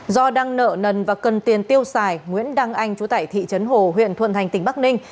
do đang nợ nần và cần tiền tiêu xài nguyễn đăng anh chú tại thị trấn hồ huyện thuận thành tỉnh bắc ninh